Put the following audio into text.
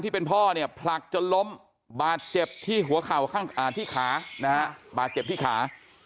เป็นพ่อเนี่ยผลักจนล้มบาดเจ็บที่หัวเข่าที่ขานะฮะบาดเจ็บที่ขา